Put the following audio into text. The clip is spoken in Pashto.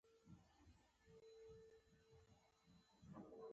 تا ویل زه د باران سره مینه لرم .